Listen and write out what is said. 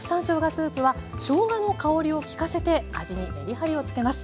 スープはしょうがの香りをきかせて味にメリハリをつけます。